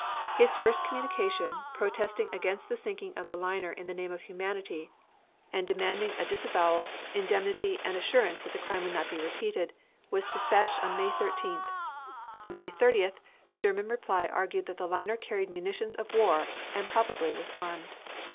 His first communication, protesting against the sinking of the liner in the name of humanity and demanding disavowal, indemnity and assurance that the crime would not be repeated, was despatched on May 13th. On May 30th the German reply argued that the liner carried munitions of war and probably was armed.